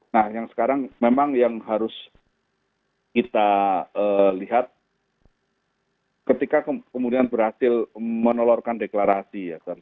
nah yang sekarang memang yang harus kita lihat ketika kemudian berhasil menolorkan deklarasi ya